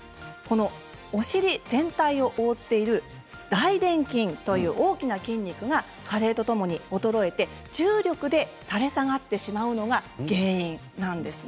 お尻全体を覆っている大でん筋という大きな筋肉が加齢とともに衰えて重力でたれ下がってしまうのが原因なんです。